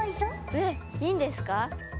えっいいんですか？